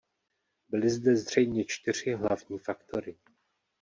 Byly zde zřejmě čtyři hlavní faktory.